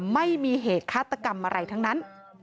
ไม่มีเหตุฆาตกรรมอะไรทั้งนั้น